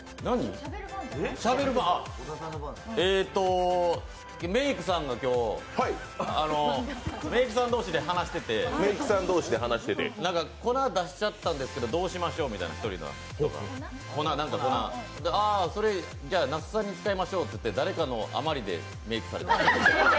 しゃべる番、メイクさんが今日、メイクさん同士で話しててこの粉出しちゃったんですけどどうしましょうっていっていてああ、それ、那須さんに使いましょうって言って誰かの余りでメイクされてました。